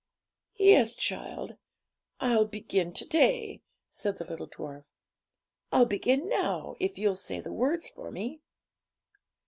'Yes, child; I'll begin to day,' said the little dwarf. 'I'll begin now, if you'll say the words for me.'